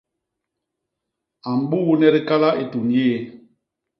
A mbuune dikala i tuñ yéé.